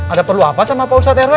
ada perlu apa sama pak ustadz rw